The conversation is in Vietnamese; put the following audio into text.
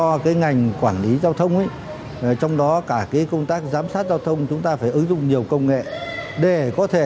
cho cái ngành quản lý giao thông trong đó cả cái công tác giám sát giao thông chúng ta phải ứng dụng nhiều công nghệ để có thể